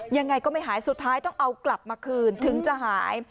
ยังไงก็ไม่หายสุดท้ายต้องเอากลับมาคืนถึงจะหาย